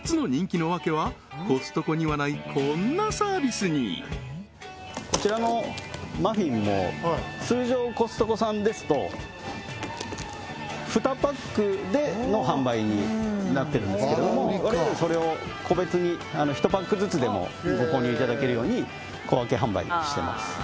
そしてこちらのマフィンも通常コストコさんですと２パックでの販売になってるんですけども我々それを個別に１パックずつでもご購入いただけるように小分け販売してます